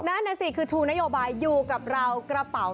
นั่นน่ะสิคือชูนโยบายอยู่กับเรากระเป๋า